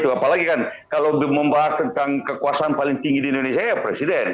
apalagi kan kalau membahas tentang kekuasaan paling tinggi di indonesia ya presiden